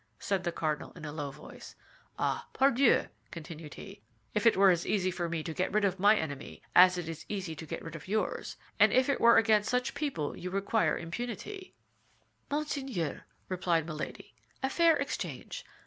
said the cardinal, in a low voice. "Ah, pardieu!" continued he, "if it were as easy for me to get rid of my enemy as it is easy to get rid of yours, and if it were against such people you require impunity—" "Monseigneur," replied Milady, "a fair exchange.